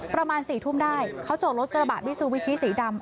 ประมาณสี่ทุ่มได้เขาจกรถเจอบัตรวิศวิชีสีดำ